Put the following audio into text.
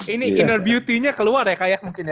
ini inner beauty nya keluar ya kayak mungkin ya